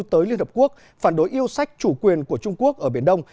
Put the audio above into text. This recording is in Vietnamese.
tới liên hợp quốc phản đối yêu sách chủ quyền của trung quốc ở biển đông